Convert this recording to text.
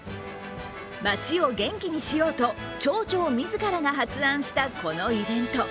町を元気にしようと町長自らが発案したこのイベント。